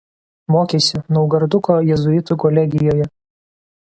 Mokėsi Naugarduko jėzuitų kolegijoje.